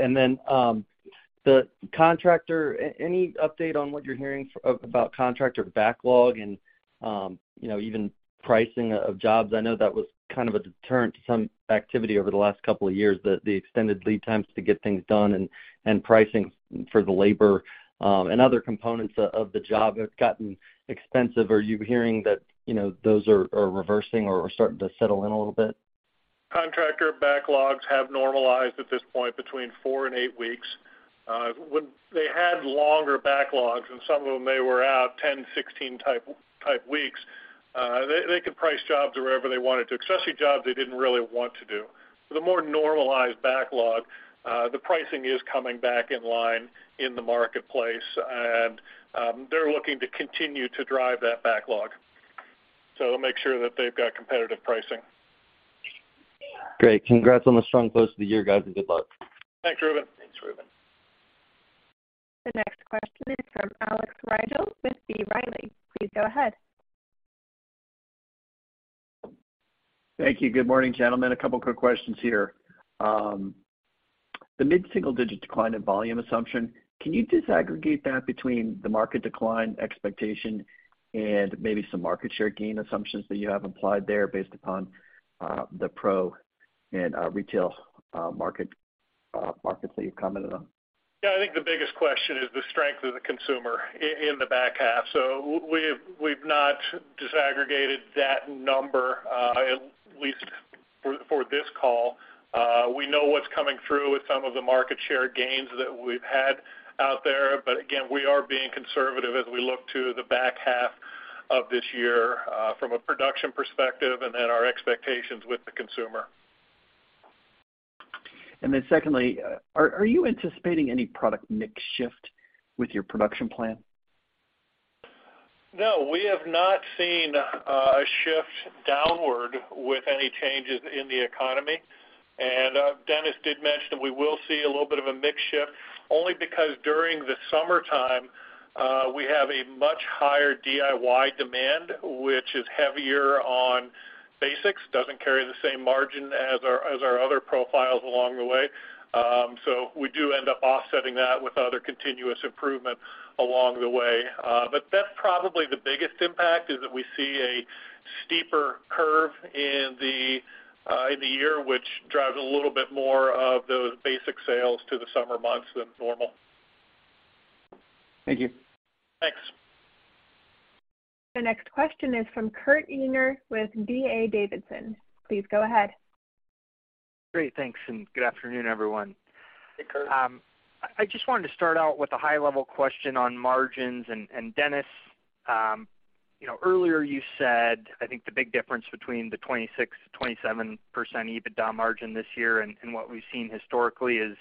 The contractor, any update on what you're hearing about contractor backlog and, you know, even pricing of jobs? I know that was kind of a deterrent to some activity over the last couple of years, the extended lead times to get things done and pricing for the labor, and other components of the job have gotten expensive. Are you hearing that, you know, those are reversing or starting to settle in a little bit? Contractor backlogs have normalized at this point between four and eight weeks. When they had longer backlogs, and some of them they were out 10, 16 type weeks, they could price jobs wherever they wanted to, especially jobs they didn't really want to do. With a more normalized backlog, the pricing is coming back in line in the marketplace. They're looking to continue to drive that backlog, so they'll make sure that they've got competitive pricing. Great. Congrats on the strong close to the year, guys, and good luck. Thanks, Reuben. Thanks, Reuben. The next question is from Alex Rygiel with B. Riley. Please go ahead. Thank you. Good morning, gentlemen. A couple quick questions here. The mid-single-digit decline in volume assumption, can you disaggregate that between the market decline expectation and maybe some market share gain assumptions that you have implied there based upon the pro and retail markets that you've commented on? Yeah. I think the biggest question is the strength of the consumer in the back half. We've not disaggregated that number. At least for this call, we know what's coming through with some of the market share gains that we've had out there. Again, we are being conservative as we look to the back half of this year, from a production perspective and then our expectations with the consumer. Secondly, are you anticipating any product mix shift with your production plan? No, we have not seen a shift downward with any changes in the economy. Dennis did mention we will see a little bit of a mix shift only because during the summertime, we have a much higher DIY demand, which is heavier on basics, doesn't carry the same margin as our, as our other profiles along the way. We do end up offsetting that with other continuous improvement along the way. That's probably the biggest impact, is that we see a steeper curve in the year, which drives a little bit more of those basic sales to the summer months than normal. Thank you. Thanks. The next question is from Kurt Yinger with D.A. Davidson. Please go ahead. Great. Thanks, and good afternoon, everyone. Hey, Kurt. I just wanted to start out with a high-level question on margins. Dennis, you know, earlier you said, I think the big difference between the 26%-27% EBITDA margin this year and what we've seen historically is,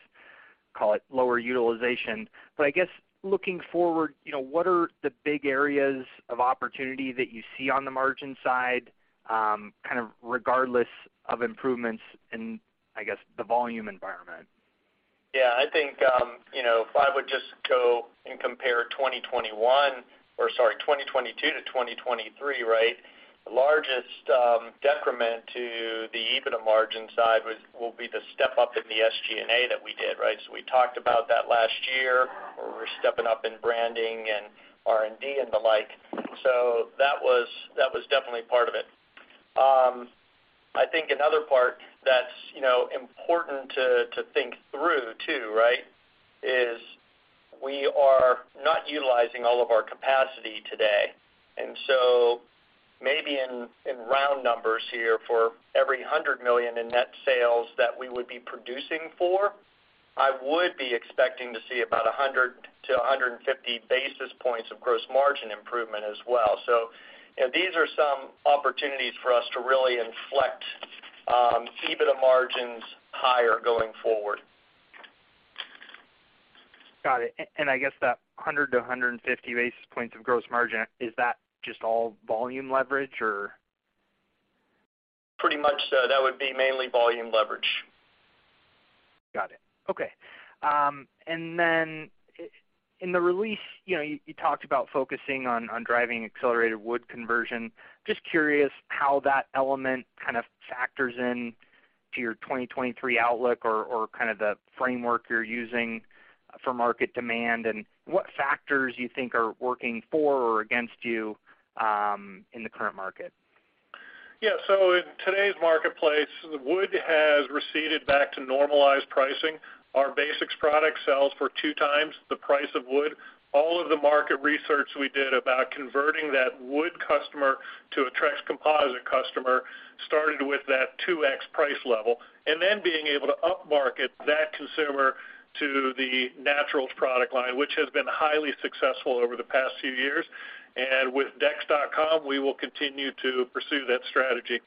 call it, lower utilization. I guess looking forward, you know, what are the big areas of opportunity that you see on the margin side, kind of regardless of improvements in, I guess, the volume environment? Yeah, I think, you know, if I would just go and compare 2022-2023, right? The largest decrement to the EBITDA margin side will be the step-up in the SG&A that we did, right? We talked about that last year, where we're stepping up in branding and R&D and the like. That was definitely part of it. I think another part that's, you know, important to think through too, right? Is we are not utilizing all of our capacity today. Maybe in round numbers here, for every $100 million in net sales that we would be producing for, I would be expecting to see about 100-150 basis points of gross margin improvement as well. You know, these are some opportunities for us to really inflect EBITDA margins higher going forward. Got it. I guess that 100-150 basis points of gross margin, is that just all volume leverage or? Pretty much so. That would be mainly volume leverage. Got it. Okay. In the release, you know, you talked about focusing on driving accelerated wood conversion. Just curious how that element kind of factors into your 2023 outlook or kind of the framework you're using for market demand and what factors you think are working for or against you, in the current market? Yeah. In today's marketplace, wood has receded back to normalized pricing. Our basics product sells for two times the price of wood. All of the market research we did about converting that wood customer to a Trex composite customer started with that 2X price level, and then being able to upmarket that consumer to the Naturals product line, which has been highly successful over the past few years. With decks.com, we will continue to pursue that strategy.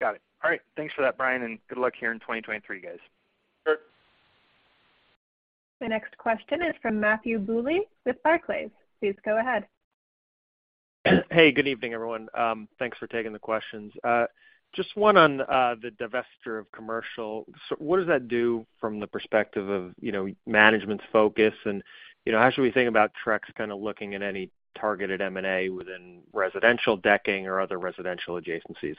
Got it. All right. Thanks for that, Bryan. Good luck here in 2023, guys. Sure. The next question is from Matthew Bouley with Barclays. Please go ahead. Hey, good evening, everyone. Thanks for taking the questions. Just one on the divesture of Commercial. What does that do from the perspective of, you know, management's focus? You know, how should we think about Trex kind of looking at any targeted M&A within residential decking or other residential adjacencies?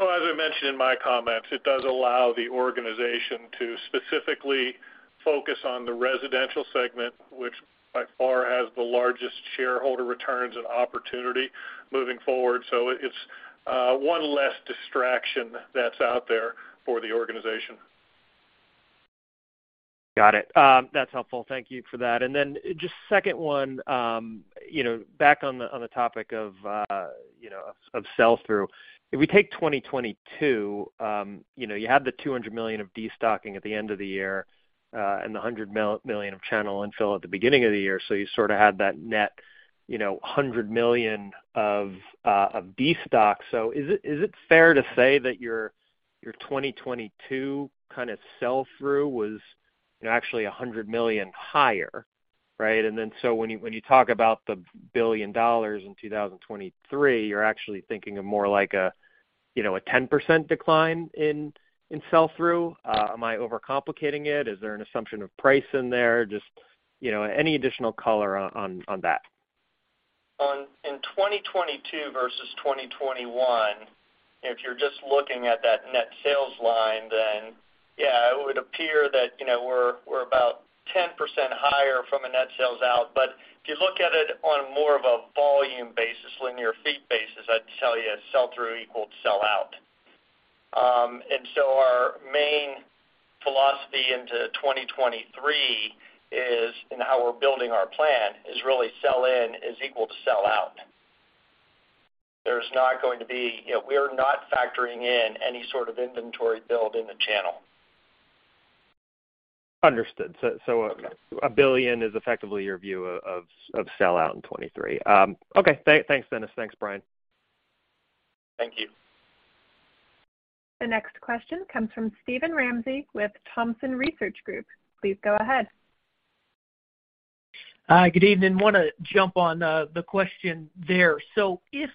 As I mentioned in my comments, it does allow the organization to specifically focus on the Residential Segment, which by far has the largest shareholder returns and opportunity moving forward. It's one less distraction that's out there for the organization. Got it. That's helpful. Thank you for that. Just second one. You know, back on the topic of, you know, of sell-through. If we take 2022, you know, you had the $200 million of destocking at the end of the year, and the $100 million of channel infill at the beginning of the year. You sorta had that net, you know, $100 million of destock. Is it fair to say that your 2022 kinda sell-through was, you know, actually $100 million higher, right? When you talk about the $1 billion in 2023, you're actually thinking of more like a, you know, a 10% decline in sell-through? Am I overcomplicating it? Is there an assumption of price in there? Just, you know, any additional color on that. In 2022 versus 2021, if you're just looking at that net sales line, then yeah, it would appear that, you know, we're about 10% higher from a net sales out. If you look at it on more of a volume basis, linear feet basis, I'd tell you sell-through equaled sell out. Our main philosophy into 2023 is, and how we're building our plan, is really sell in is equal to sell out. There's not going to be. You know, we are not factoring in any sort of inventory build in the channel. Understood. Okay. $1 billion is effectively your view of sell out in 2023. Okay. Thanks, Dennis. Thanks, Bryan. Thank you. The next question comes from Steven Ramsey with Thompson Research Group. Please go ahead. Good evening. Wanna jump on the question there. If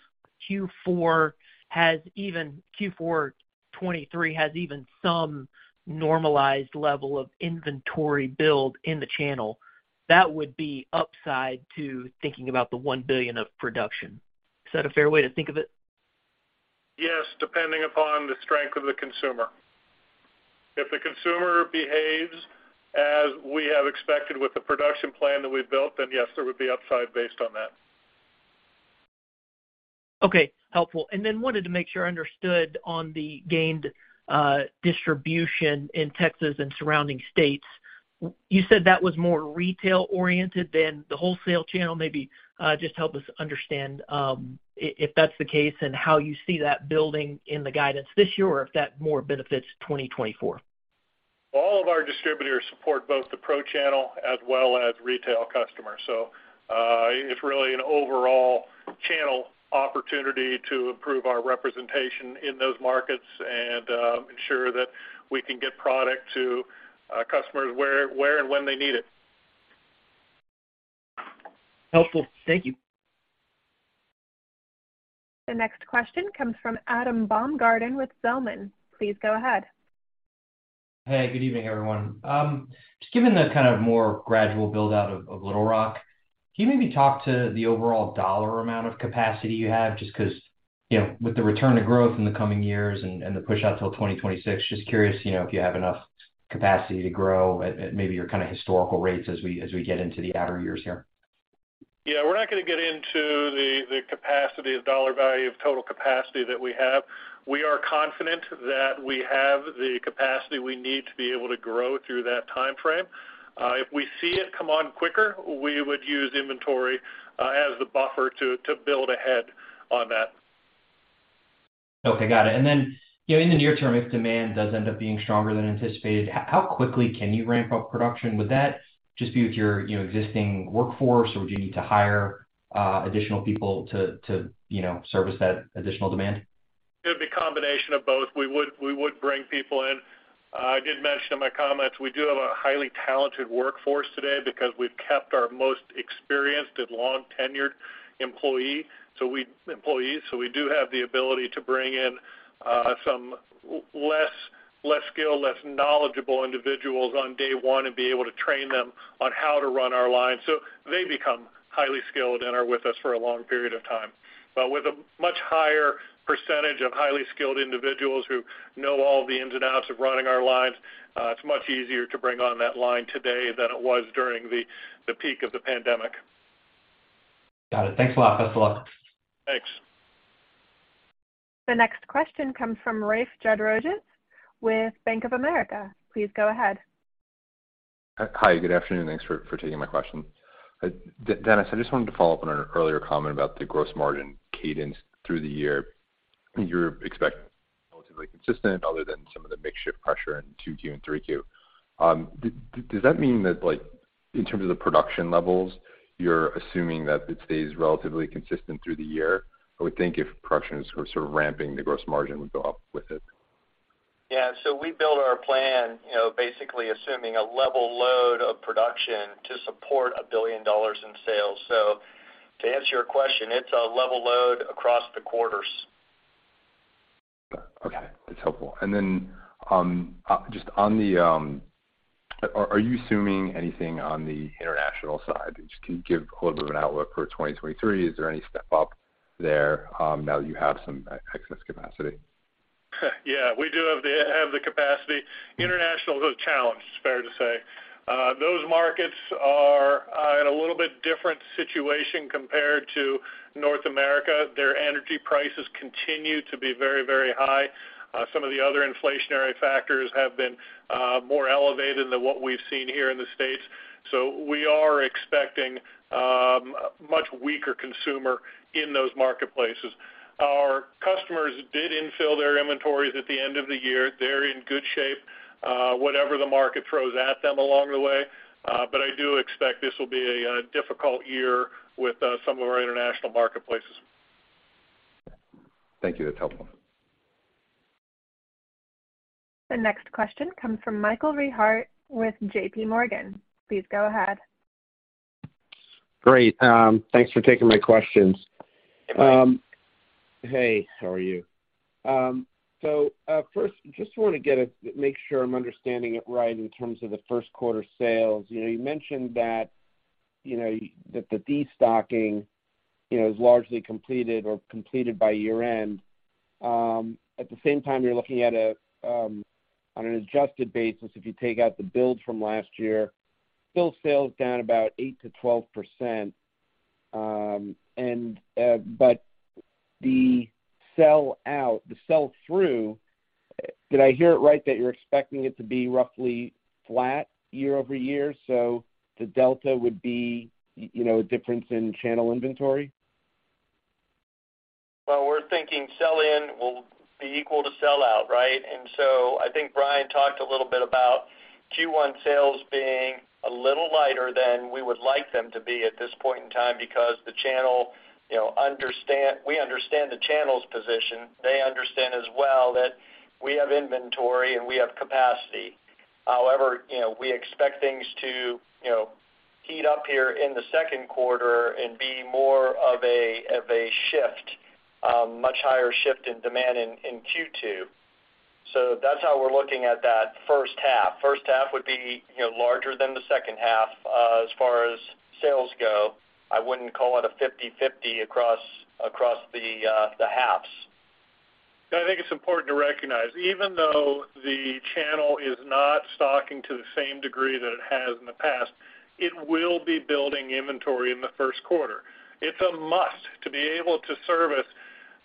Q4 '23 has even some normalized level of inventory build in the channel, that would be upside to thinking about the $1 billion of production. Is that a fair way to think of it? Yes, depending upon the strength of the consumer. If the consumer behaves as we have expected with the production plan that we've built, then yes, there would be upside based on that. Okay. Helpful. Wanted to make sure I understood on the gained distribution in Texas and surrounding states. You said that was more retail-oriented than the wholesale channel. Just help us understand if that's the case and how you see that building in the guidance this year, or if that more benefits 2024? All of our distributors support both the pro channel as well as retail customers. It's really an overall channel opportunity to improve our representation in those markets and ensure that we can get product to customers where and when they need it. Helpful. Thank you. The next question comes from Adam Baumgarten with Zelman. Please go ahead. Good evening, everyone. Just given the kind of more gradual build-out of Little Rock, can you maybe talk to the overall dollar amount of capacity you have just 'cause, you know, with the return to growth in the coming years and the pushout till 2026, just curious, you know, if you have enough capacity to grow at maybe your kinda historical rates as we get into the outer years here? Yeah. We're not gonna get into the capacity of dollar value of total capacity that we have. We are confident that we have the capacity we need to be able to grow through that timeframe. If we see it come on quicker, we would use inventory as the buffer to build ahead on that. Okay, got it. you know, in the near term, if demand does end up being stronger than anticipated, how quickly can you ramp up production? Would that just be with your, you know, existing workforce, or would you need to hire additional people to, you know, service that additional demand? It'd be a combination of both. We would bring people in. I did mention in my comments we do have a highly talented workforce today because we've kept our most experienced and long-tenured employee. So employees, so we do have the ability to bring in some less skilled, less knowledgeable individuals on day one and be able to train them on how to run our lines so they become highly skilled and are with us for a long period of time. With a much higher percentage of highly skilled individuals who know all the ins and outs of running our lines, it's much easier to bring on that line today than it was during the peak of the pandemic. Got it. Thanks a lot. Best of luck. Thanks. The next question comes from Rafe Jadrosich with Bank of America. Please go ahead. Hi, good afternoon. Thanks for taking my question. Dennis, I just wanted to follow up on an earlier comment about the gross margin cadence through the year. You're expecting relatively consistent other than some of the mix shift pressure in 2Q and 3Q. Does that mean that, like, in terms of the production levels, you're assuming that it stays relatively consistent through the year? I would think if production is sort of ramping, the gross margin would go up with it. Yeah. We build our plan, you know, basically assuming a level load of production to support $1 billion in sales. To answer your question, it's a level load across the quarters. Okay. That's helpful. Just on the... Are you assuming anything on the international side? Can you give a little bit of an outlook for 2023? Is there any step-up there, now that you have some excess capacity? We do have the capacity. International is a challenge, it's fair to say. Those markets are in a little bit different situation compared to North America. Their energy prices continue to be very, very high. Some of the other inflationary factors have been more elevated than what we've seen here in the States. We are expecting much weaker consumer in those marketplaces. Our customers did infill their inventories at the end of the year. They're in good shape, whatever the market throws at them along the way. I do expect this will be a difficult year with some of our international marketplaces. Thank you. That's helpful. The next question comes from Michael Rehaut with J.P. Morgan. Please go ahead. Great. thanks for taking my questions. hey, how are you? first, just wanna make sure I'm understanding it right in terms of the first quarter sales. You know, you mentioned that, you know, that the destocking, you know, is largely completed or completed by year-end. At the same time, you're looking at a, on an adjusted basis, if you take out the build from last year, still sales down about 8%-12%. The sell out, the sell through, did I hear it right that you're expecting it to be roughly flat year-over-year, so the delta would be, you know, a difference in channel inventory? Well, we're thinking sell-in will be equal to sell-out, right? I think Bryan talked a little bit about Q1 sales being a little lighter than we would like them to be at this point in time because the channel, you know, We understand the channel's position. They understand as well that we have inventory and we have capacity. However, you know, we expect things to, you know, heat up here in the second quarter and be more of a, of a shift, much higher shift in demand in Q2. That's how we're looking at that first half. First half would be, you know, larger than the second half as far as sales go. I wouldn't call it a 50/50 across the halves. I think it's important to recognize, even though the channel is not stocking to the same degree that it has in the past, it will be building inventory in the first quarter. It's a must to be able to service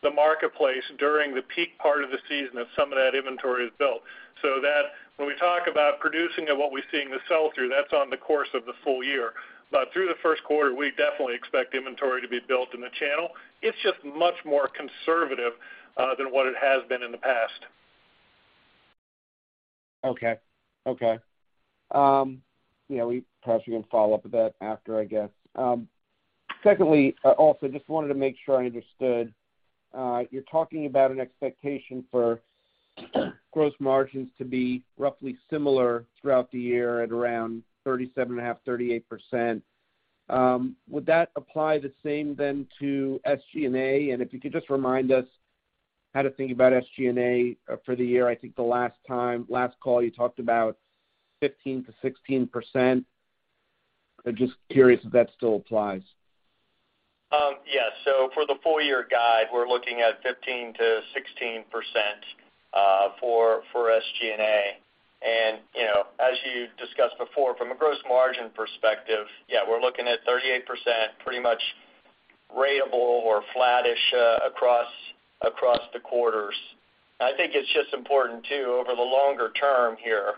the marketplace during the peak part of the season as some of that inventory is built. When we talk about producing and what we're seeing the sell-through, that's on the course of the full year. Through the first quarter, we definitely expect inventory to be built in the channel. It's just much more conservative than what it has been in the past. Okay. You know, we perhaps we can follow up with that after, I guess. Secondly, I also just wanted to make sure I understood. You're talking about an expectation for gross margins to be roughly similar throughout the year at around 37.5%-38%. Would that apply the same then to SG&A? If you could just remind us how to think about SG&A for the year. I think the last time, last call, you talked about 15%-16%. I'm just curious if that still applies. Yes. For the full year guide, we're looking at 15%-16% for SG&A. You know, as you discussed before, from a gross margin perspective, we're looking at 38%, pretty much ratable or flat-ish across the quarters. I think it's just important too, over the longer term here,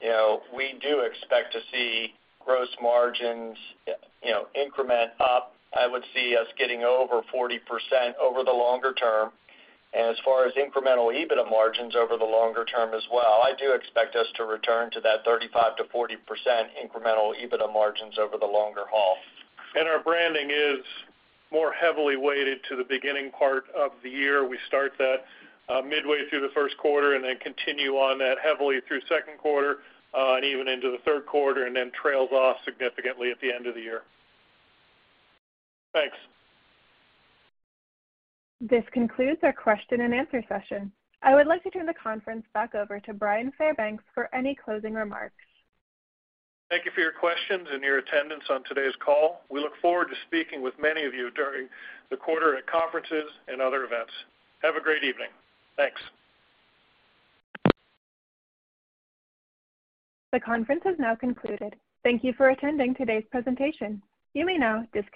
you know, we do expect to see gross margins, you know, increment up. I would see us getting over 40% over the longer term. As far as incremental EBITDA margins over the longer term as well, I do expect us to return to that 35%-40% incremental EBITDA margins over the longer haul. Our branding is more heavily weighted to the beginning part of the year. We start that, midway through the first quarter and then continue on that heavily through second quarter, and even into the third quarter, and then trails off significantly at the end of the year. Thanks. This concludes our question-and-answer session. I would like to turn the conference back over to Bryan Fairbanks for any closing remarks. Thank you for your questions and your attendance on today's call. We look forward to speaking with many of you during the quarter at conferences and other events. Have a great evening. Thanks. The conference has now concluded. Thank You for attending today's presentation. You may now disconnect.